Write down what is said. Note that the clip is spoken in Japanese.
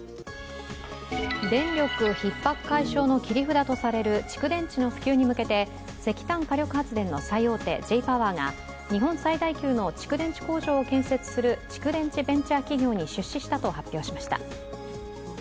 電力ひっ迫解消の切り札とされる蓄電池の普及に向けて石炭火力発電の最大手Ｊ−ＰＯＷＥＲが日本最大級の蓄電池工場を建設する蓄電池ベンチャー企業に出資したと発表しました。